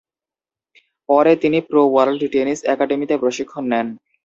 পরে তিনি pro world tennis একাডেমিতে প্রশিক্ষণ নেন।